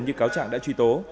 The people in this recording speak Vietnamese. như cáo trạng đã truy tố